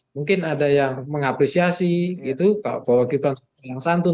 mungkin ada yang mengapresiasi bahwa gibran yang santun